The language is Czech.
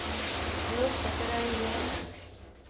Miloš Petera je ženatý.